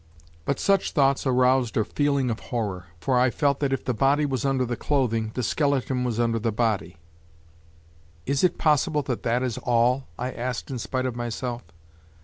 But such thoughts aroused a feeling of horror, for I felt that if the body was under the clothing, the skeleton was under the body. "Is it possible that that is all?" I asked in spite of myself.